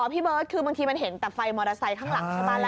อ๋อพี่เบิ๊ทคือบางทีมันเห็นแต่ไฟมอเตอร์ไซค์ข้างหลัง